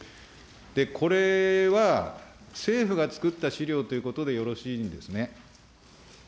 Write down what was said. これは政府がつくった資料ということでよろしいんですね。